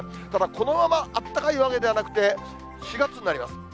ただ、このままあったかいわけではなくて、４月になります。